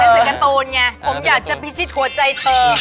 อั้นเป็นสัตว์ตูนไงผมอยากจะบีชิดหัวใจเธอ